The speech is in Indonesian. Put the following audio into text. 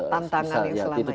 tantangan yang selama ini